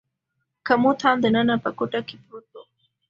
کمود هم دننه په کوټه کې پروت و.